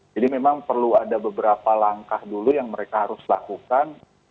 jadi memang perlu ada beberapa langkah dulu yang mereka harus lakukan